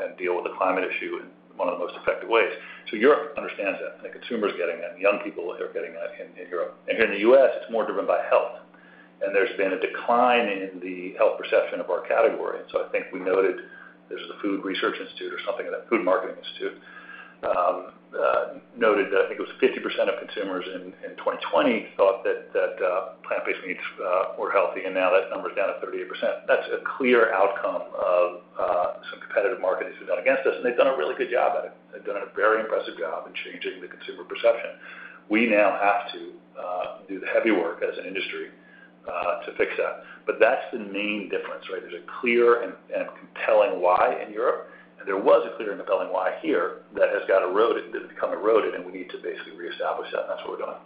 and deal with the climate issue in one of the most effective ways. Europe understands that, the consumer is getting that, and young people are getting that in Europe. Here in the US, it's more driven by health, and there's been a decline in the health perception of our category. I think we noted there's the Food Research Institute or something like that, Food Marketing Institute, noted that I think it was 50% of consumers in, in 2020 thought that, that plant-based meats were healthy, and now that number is down to 38%. That's a clear outcome of some competitive marketing has been done against us, and they've done a really good job at it. They've done a very impressive job in changing the consumer perception. We now have to do the heavy work as an industry to fix that. That's the main difference, right? There's a clear and, and compelling why in Europe, and there was a clear and compelling why here that has got eroded, become eroded, and we need to basically reestablish that, and that's what we're doing....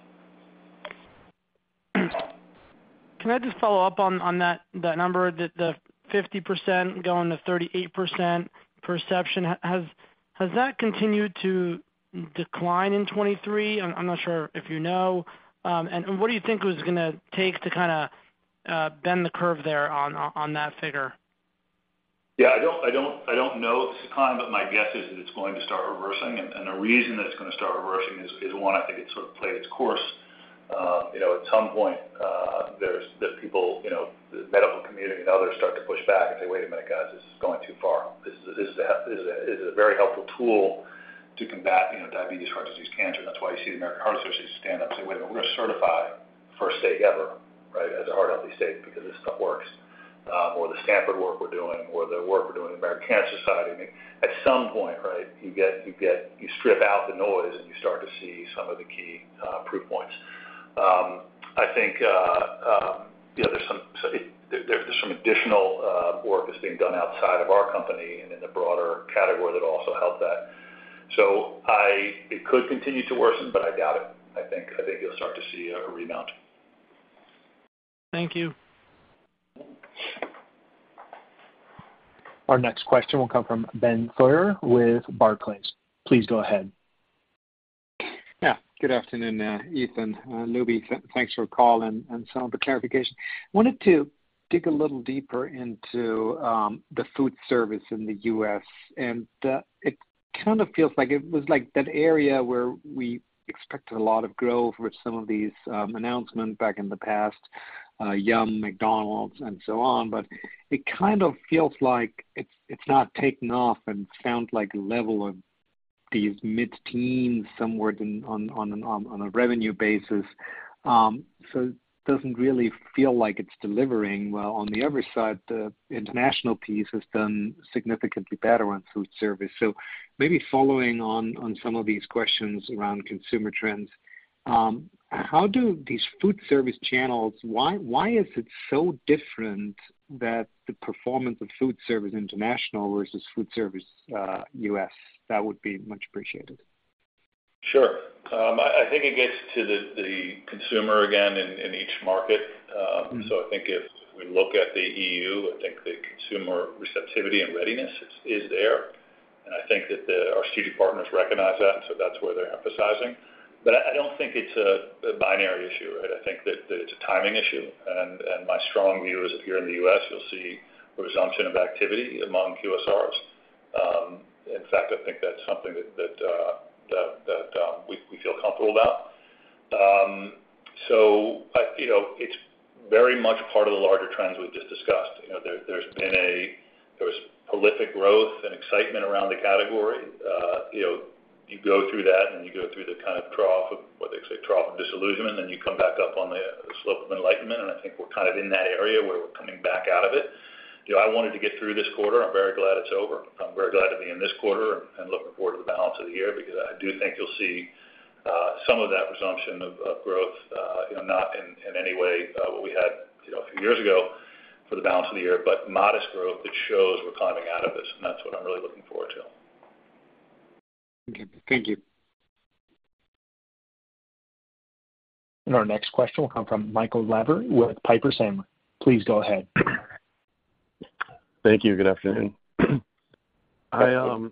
Can I just follow up on, on that, that number, the, the 50% going to 38% perception? Has that continued to decline in 2023? I'm, I'm not sure if you know. What do you think it was gonna take to kind of bend the curve there on, on, on that figure? Yeah, I don't, I don't, I don't know, Khan, but my guess is that it's going to start reversing. The reason that it's gonna start reversing is, is one, I think it sort of played its course. You know, at some point, there's, the people, you know, the medical community and others start to push back and say, "Wait a minute, guys, this is going too far." This is, this is a, this is a, this is a very helpful tool to combat, you know, diabetes, heart disease, cancer. That's why you see the American Heart Association stand up and say, "Wait a minute, we're certified first state ever, right, as a heart-healthy state, because this stuff works." Or the Stanford work we're doing, or the work we're doing with the American Cancer Society. I mean, at some point, right, you get, you strip out the noise, and you start to see some of the key proof points. I think, you know, there's some, there's some additional work that's being done outside of our company and in the broader category that'll also help that. It could continue to worsen, but I doubt it. I think you'll start to see a rebound. Thank you. Our next question will come from Ben Theurer with Barclays. Please go ahead. Yeah, good afternoon, Ethan, Lubi. Thanks for calling and some of the clarification. I wanted to dig a little deeper into the food service in the US, and it kind of feels like it was like that area where we expected a lot of growth with some of these announcements back in the past, Yum, McDonald's, and so on. It kind of feels like it's not taking off and sounds like a level of these mid-teens somewhere than on a revenue basis. It doesn't really feel like it's delivering. Well, on the other side, the international piece has done significantly better on food service. Maybe following on, on some of these questions around consumer trends, how do these food service channels, why, why is it so different that the performance of food service international versus food service, US? That would be much appreciated. Sure. I, I think it gets to the, the consumer again in, in each market. I think if we look at the EU, I think the consumer receptivity and readiness is, is there. I think that the-- our CD partners recognize that, so that's where they're emphasizing. I, I don't think it's a, a binary issue, right? I think that, that it's a timing issue, and my strong view is if you're in the US, you'll see a resumption of activity among QSRs. In fact, I think that's something that, that, that, we, we feel comfortable about. I-- you know, it's very much a part of the larger trends we've just discussed. You know, there, there's been a-- there was prolific growth and excitement around the category. You know, you go through that, and you go through the kind of trough of, what they say, Trough of Disillusionment, then you come back up on the Slope of Enlightenment, and I think we're kind of in that area where we're coming back out of it. You know, I wanted to get through this quarter. I'm very glad it's over. I'm very glad to be in this quarter and, and looking forward to the balance of the year, because I do think you'll see, some of that resumption of, of growth, you know, not in, in any way, what we had, you know, a few years ago for the balance of the year, but modest growth that shows we're climbing out of this, and that's what I'm really looking forward to. Okay. Thank you. Our next question will come from Michael Lavery with Piper Sandler. Please go ahead. Thank you. Good afternoon. I,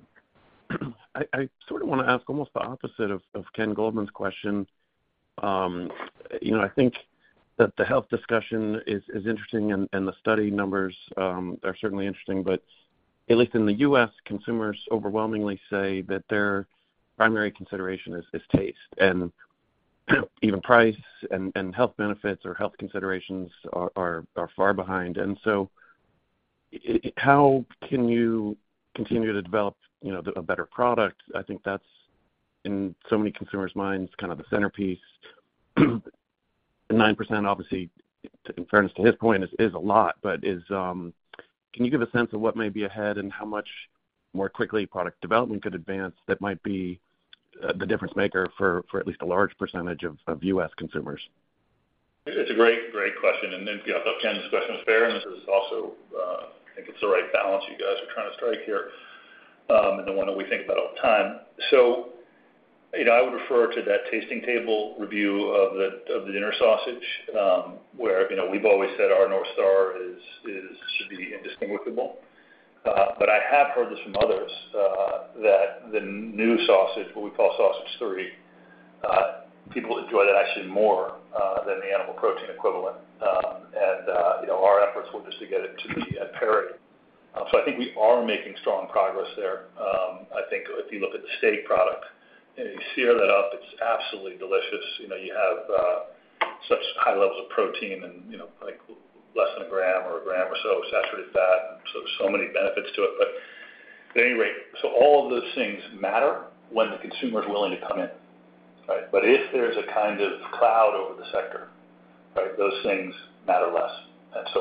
I sort of want to ask almost the opposite of, of Ken Goldman's question. You know, I think that the health discussion is, is interesting, and, and the study numbers are certainly interesting. At least in the US, consumers overwhelmingly say that their primary consideration is, is taste, and, even price and, and health benefits or health considerations are, are, are far behind. So how can you continue to develop, you know, the, a better product? I think that's, in so many consumers' minds, kind of the centerpiece. The 9%, obviously, in fairness to his point, is, is a lot, but is, can you give a sense of what may be ahead and how much more quickly product development could advance that might be, the difference maker for, for at least a large percentage of, of US consumers? It's a great, great question. Then, you know, Ken's question is fair, and this is also, I think it's the right balance you guys are trying to strike here, and the one that we think about all the time. You know, I would refer to that Tasting Table review of the, of the dinner sausage, where, you know, we've always said our North Star is, is, should be indistinguishable. I have heard this from others, that the new sausage, what we call Sausage Three, people enjoy that actually more, than the animal protein equivalent. You know, our efforts were just to get it to be at parity. I think we are making strong progress there. I think if you look at the steak product, and you sear that up, it's absolutely delicious. You know, you have such high levels of protein and, you know, like less than a gram or a gram or so of saturated fat, so, so many benefits to it. At any rate, so all of those things matter when the consumer is willing to come in, right? If there's a kind of cloud over the sector, right, those things matter less.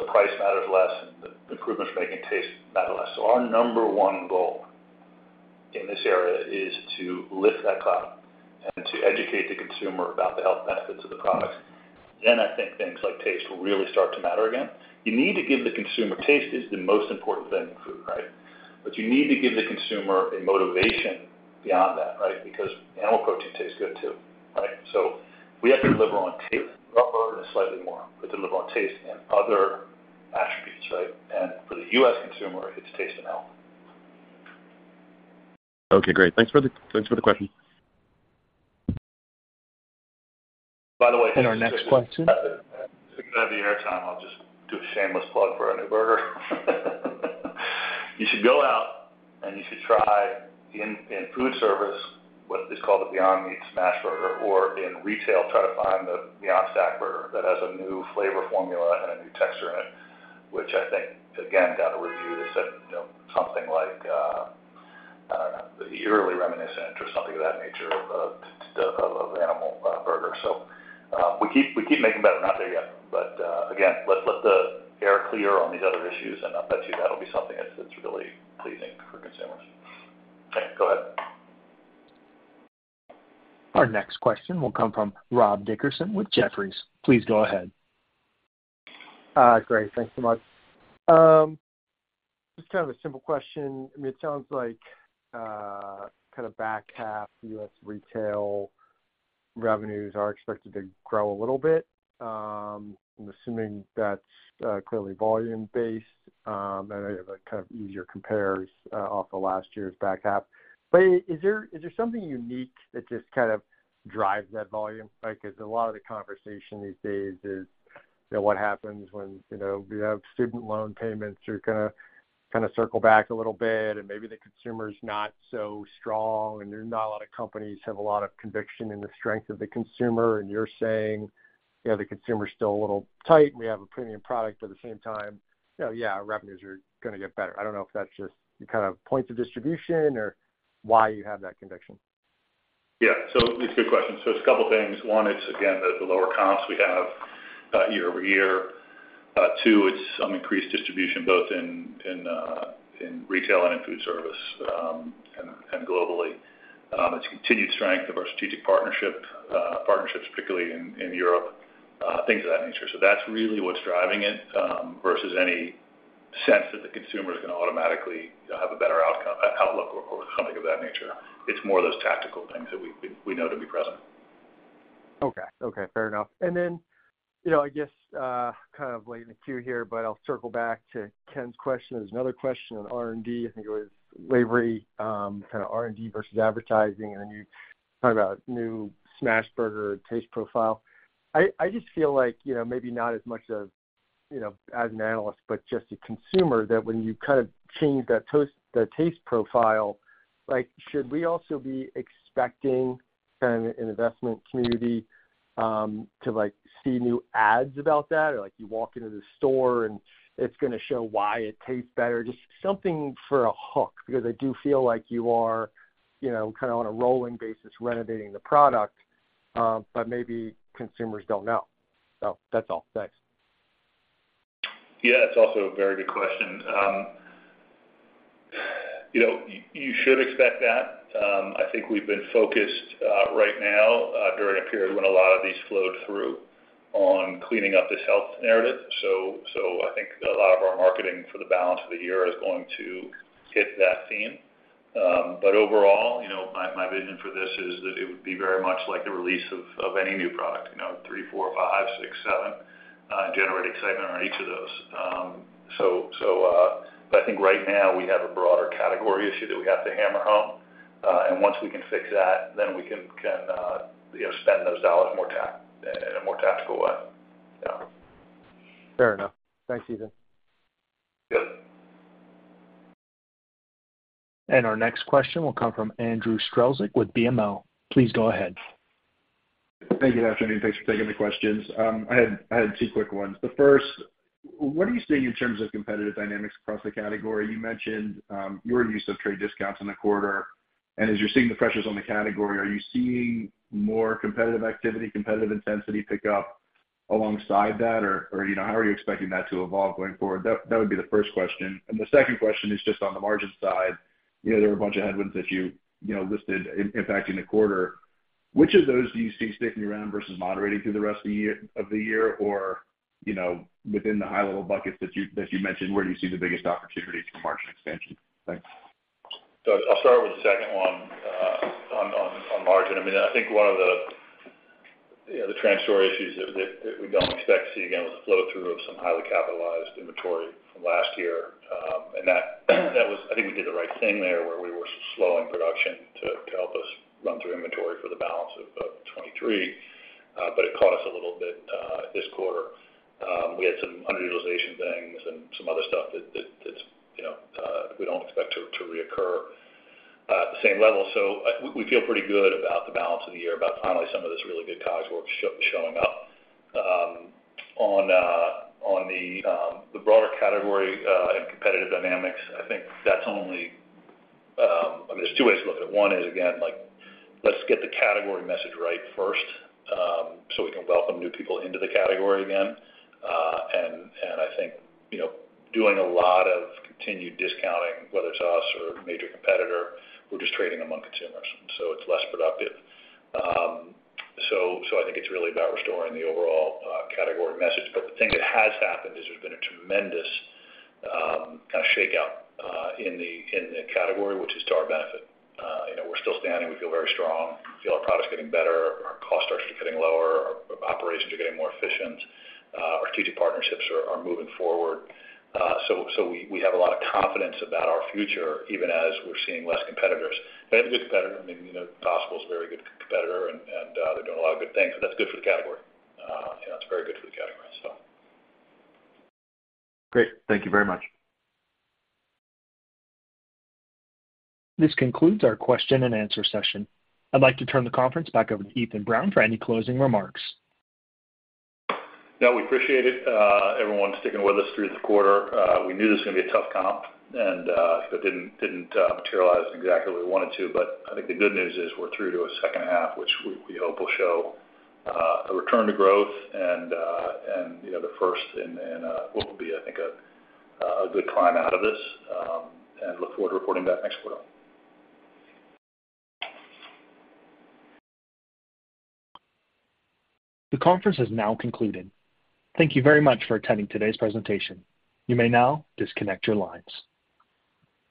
Price matters less, the improvements we make in taste matter less. Our number 1 goal in this area is to lift that cloud and to educate the consumer about the health benefits of the products. I think things like taste will really start to matter again. You need to give the consumer... Taste is the most important thing in food, right?... You need to give the consumer a motivation beyond that, right? Because animal protein tastes good, too, right? We have to deliver on taste, rubber, and slightly more, but deliver on taste and other attributes, right? For the U.S. consumer, it's taste and health. Okay, great. Thanks for the, thanks for the question. By the way. Our next question. Since I have the airtime, I'll just do a shameless plug for our new burger. You should go out, and you should try in, in food service, what is called the Beyond Smashable Burger, or in retail, try to find the Beyond Stack Burger that has a new flavor formula and a new texture in it, which I think, again, got a review that said, you know, something like, I don't know, eerily reminiscent or something of that nature, of, of, of animal burger. We keep, we keep making better, not there yet, but, again, let's let the air clear on these other issues, and I'll bet you that'll be something that's, that's really pleasing for consumers. Okay, go ahead. Our next question will come from Rob Dickerson with Jefferies. Please go ahead. Great. Thanks so much. Just kind of a simple question. I mean, it sounds like, kind of back half US retail revenues are expected to grow a little bit. I'm assuming that's, clearly volume-based, and they have a kind of easier compares, off of last year's back half. Is there, is there something unique that just kind of drives that volume? Like, because a lot of the conversation these days is, you know, what happens when, you know, you have student loan payments, you're gonna kind of circle back a little bit, and maybe the consumer is not so strong, and there are not a lot of companies have a lot of conviction in the strength of the consumer, and you're saying, you know, the consumer is still a little tight, and we have a premium product at the same time. Yeah, revenues are gonna get better. I don't know if that's just kind of points of distribution or why you have that conviction. Yeah. It's a good question. It's a couple of things. One, it's again, the lower costs we have year-over-year. Two, it's some increased distribution, both in retail and in food service, and globally. It's continued strength of our strategic partnership, partnerships, particularly in Europe, things of that nature. That's really what's driving it, versus any sense that the consumer is going to automatically have a better outcome, outlook or something of that nature. It's more of those tactical things that we know to be present. Okay. Okay, fair enough. You know, I guess, kind of late in the queue here, but I'll circle back to Ken's question. There's another question on R&D. I think it was labor, kind of R&D versus advertising, and then you talk about new smash burger taste profile. I just feel like, you know, maybe not as much of, you know, as an analyst, but just a consumer, that when you kind of change the taste profile, like, should we also be expecting kind of an investment community, to, like, see new ads about that? Like, you walk into the store, and it's gonna show why it tastes better. Just something for a hook, because I do feel like you are, you know, kind of on a rolling basis, renovating the product, but maybe consumers don't know. That's all. Thanks. Yeah, that's also a very good question. you know, you should expect that. I think we've been focused, right now, during a period when a lot of these flowed through on cleaning up this health narrative. So I think a lot of our marketing for the balance of the year is going to hit that theme. Overall, you know, my, my vision for this is that it would be very much like the release of, of any new product, you know, three, four, five, six, seven, generate excitement on each of those. I think right now we have a broader category issue that we have to hammer home. Once we can fix that, then we can, can, you know, spend those dollars more tac- in a more tactical way. Yeah. Fair enough. Thanks, Ethan. Good. Our next question will come from Andrew Strelzik with BMO. Please go ahead. Thank you. Good afternoon. Thanks for taking the questions. I had, I had two quick ones. The first, what are you seeing in terms of competitive dynamics across the category? You mentioned your use of trade discounts in the quarter, and as you're seeing the pressures on the category, are you seeing more competitive activity, competitive intensity pick up alongside that? Or, or, you know, how are you expecting that to evolve going forward? That, that would be the first question. The second question is just on the margin side. You know, there are a bunch of headwinds that you, you know, listed impacting the quarter. Which of those do you see sticking around versus moderating through the rest of the year? you know, within the high level buckets that you, that you mentioned, where do you see the biggest opportunity for margin expansion? Thanks. I'll start with the second one on, on, on margin. I mean, I think one of the, you know, the transitory issues that we don't expect to see again, was the flow through of some highly capitalized inventory from last year. That was, I think we did the right thing there, where we were slowing production to help us run through inventory for the balance of 23, but it cost us a little bit this quarter. We had some underutilization things and some other stuff that, you know, we don't expect to reoccur at the same level. We feel pretty good about the balance of the year, about finally some of this really good college work showing up. On the broader category and competitive dynamics, I think that's only... I mean, there's two ways to look at it. One is, again, like, let's get the category message right first, so we can welcome new people into the category again. I think, you know, doing a lot of continued discounting, whether it's us or a major competitor, we're just trading among consumers, and so it's less productive. I think it's really about restoring the overall category message. The thing that has happened is there's been a tremendous kind of shakeout in the category, which is to our benefit. You know, we're still standing, we feel very strong, feel our product is getting better, our cost structure is getting lower, our operations are getting more efficient, our strategic partnerships are, are moving forward. We, we have a lot of confidence about our future, even as we're seeing less competitors. We have a good competitor. I mean, you know, Impossible is a very good competitor, and, and they're doing a lot of good things, but that's good for the category. You know, it's very good for the category, so. Great. Thank you very much. This concludes our question and answer session. I'd like to turn the conference back over to Ethan Brown for any closing remarks. Yeah, we appreciate it, everyone sticking with us through the quarter. We knew this was gonna be a tough comp, and, it didn't, didn't, materialize exactly what we wanted to. I think the good news is we're through to a second half, which we, we hope will show, a return to growth and, and, you know, the first in, in, what will be, I think, a, a good climb out of this, and look forward to reporting back next quarter. The conference has now concluded. Thank you very much for attending today's presentation. You may now disconnect your lines.